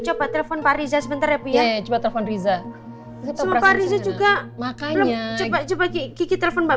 coba telepon pari sementara ya coba telepon riza juga makanya coba coba kita telepon mbak